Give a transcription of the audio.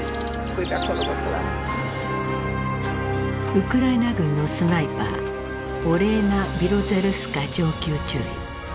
ウクライナ軍のスナイパーオレーナ・ビロゼルスカ上級中尉。